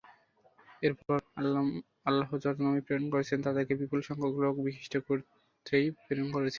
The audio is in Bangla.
এরপর আল্লাহ যত নবী প্রেরণ করেছেন তাদেরকে বিপুল সংখ্যক লোক বিশিষ্ট গোত্রেই প্রেরণ করেছেন।